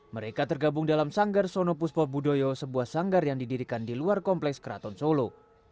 mereka tergabung dalam sanggar sono puspo budoyo sebuah sanggar yang didirikan di luar kompleks keraton solo